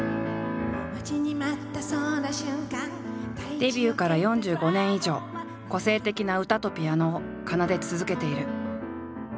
デビューから４５年以上個性的な歌とピアノを奏で続けている。